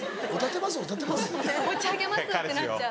持ち上げますってなっちゃう。